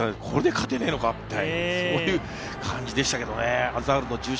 これで勝てねぇのかって、そういう感じでしたけどね。